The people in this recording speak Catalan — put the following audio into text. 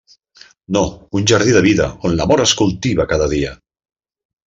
No, un jardí de vida, on l'amor es cultiva cada dia!